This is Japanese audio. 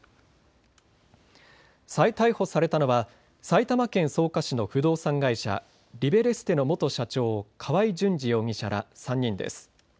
再逮捕されたのは埼玉県草加市の不動産会社リベレステの元社長河合純二容疑者ら３人です。